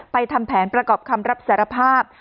ทำแผนประกอบคำรับสารภาพ